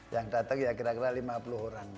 yang datang ya kira kira lima puluh orang